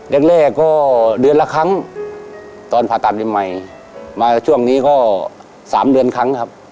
แรกแรกก็เดือนละครั้งตอนผ่าตัดใหม่ใหม่มาช่วงนี้ก็๓เดือนครั้งครับ